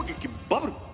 バブル！